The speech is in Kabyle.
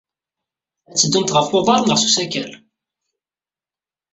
Ad teddumt ɣef uḍar neɣ s usakal?